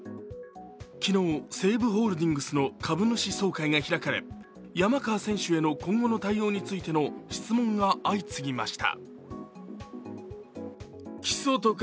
昨日、西武ホールディングスの株主総会が開かれ、山川選手への今後の対応についての質問が相次ぎました。